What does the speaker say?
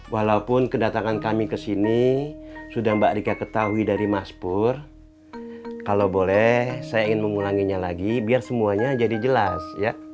walaupun kedatangan kami ke sini sudah mbak rika ketahui dari maspur kalau boleh saya ingin mengulanginya lagi biar semuanya jadi jelas